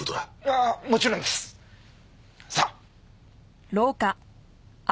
ああもちろんです！さあ。